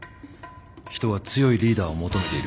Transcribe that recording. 人は強いリーダーを求めている。